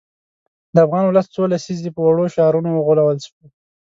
د افغان ولس څو لسیزې په وړو شعارونو وغولول شو.